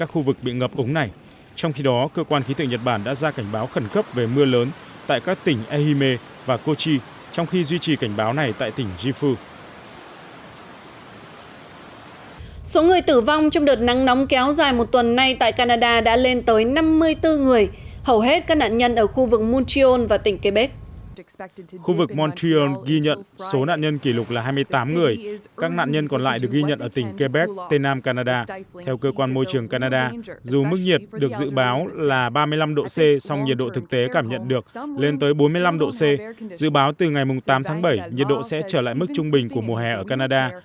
khu vực montreal ghi nhận số nạn nhân kỷ lục là hai mươi tám người các nạn nhân còn lại được ghi nhận ở tỉnh quebec tây nam canada theo cơ quan môi trường canada dù mức nhiệt được dự báo là ba mươi năm độ c song nhiệt độ thực tế cảm nhận được lên tới bốn mươi năm độ c dự báo từ ngày tám tháng bảy nhiệt độ sẽ trở lại mức trung bình của mùa hè ở canada